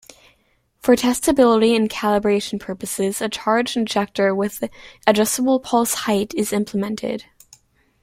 For testability and calibration purposes, a charge injector with adjustable pulse height is implemented.